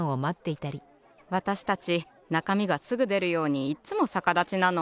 わたしたちなかみがすぐでるようにいっつもさかだちなの。